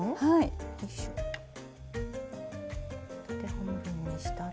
半分にしたら。